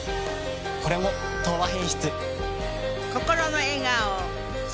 これも「東和品質」。